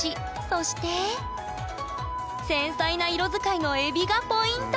そして繊細な色使いのえびがポイント！